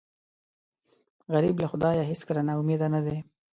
غریب له خدایه هېڅکله نا امیده نه دی